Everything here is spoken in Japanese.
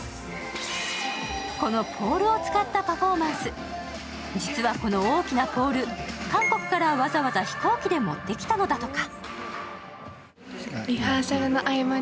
このポールを使ったパフォーマンス、実はこの大きなポール韓国からわざわざ飛行機で持ってきたんだとか。